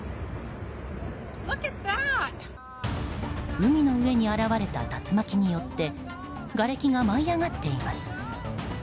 海の上に現れた竜巻によってがれきが舞い上がっています。